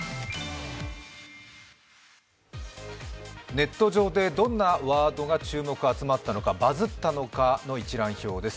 ネット上でどんなワードが注目集まったのか、バズったのかの一覧表です。